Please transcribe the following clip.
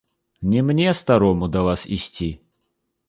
Не мне, старому, да вас ісці.